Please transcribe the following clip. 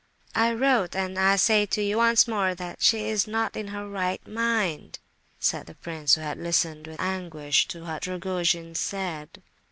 "I wrote, and I say to you once more, that she is not in her right mind," said the prince, who had listened with anguish to what Rogojin said.